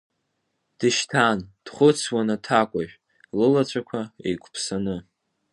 Дышьҭан, дхәыцуан аҭакәажә, лылацәақәа еиқәԥсаны.